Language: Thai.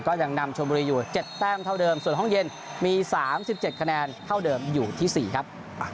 ยังนำชมบุรีอยู่๗แต้มเท่าเดิมส่วนห้องเย็นมี๓๗คะแนนเท่าเดิมอยู่ที่๔ครับ